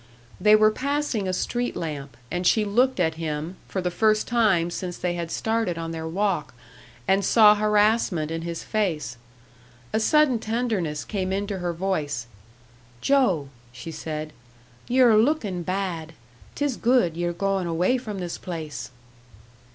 They were passing a street lamp, and she looked at him, for the first time since they had started on their walk, and saw harassment in his face. A sudden tenderness came into her voice. "Joe," she said; "ye're lookin' bad. 'Tis good ye're goin' away from this place!"